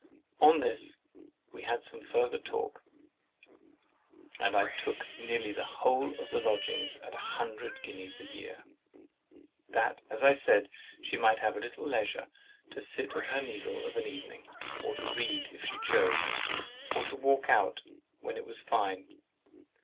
On this we had some farther talk, and I took nearly the whole of the lodgings at a hundred guineas a year, that (as I said) she might have a little leisure to sit at her needle of an evening, or to read if she chose, or to walk out when it was fine.